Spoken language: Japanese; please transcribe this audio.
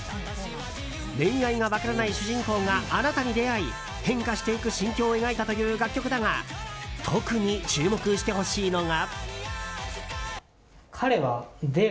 恋愛が分からない主人公がアナタに出会い変化していく心境を描いたという楽曲だが特に注目してほしいのが。